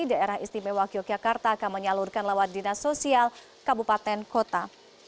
daerah istimewa yogyakarta akan menyalurkan lewat dinas sosial kabupaten kota